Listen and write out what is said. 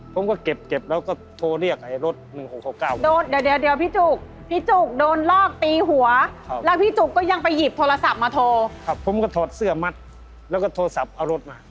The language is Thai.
ผมก็ถอดเสื้อมัดแล้วก็โทรศัพท์เอารถมา